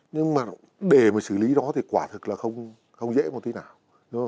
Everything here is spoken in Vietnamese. nhưng mà để mà xử lý đó thì quả thực là không dễ một tí nào